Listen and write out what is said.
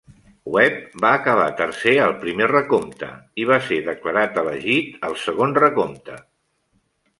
Webb va acabar tercer al primer recompte i va ser declarat elegit al segon recompte.